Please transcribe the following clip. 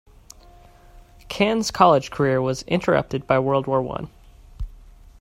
Cann's college career was interrupted by World War One.